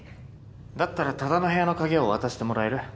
だったら多田の部屋の鍵を渡してもらえる？